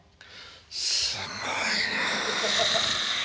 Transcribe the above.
すごいなあ。